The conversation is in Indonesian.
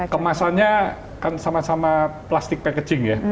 kemasannya kan sama sama plastik packaging ya